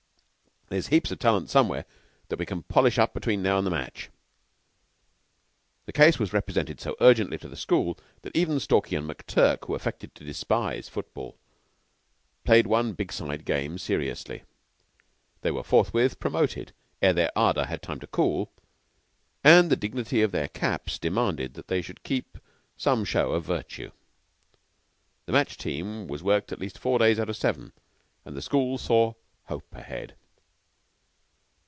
There's heaps of talent somewhere that we can polish up between now and the match." The case was represented so urgently to the school that even Stalky and McTurk, who affected to despise football, played one Big Side game seriously. They were forthwith promoted ere their ardor had time to cool, and the dignity of their Caps demanded that they should keep some show of virtue. The match team was worked at least four days out of seven, and the school saw hope ahead.